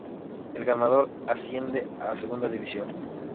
El ganador asciende a Segunda División.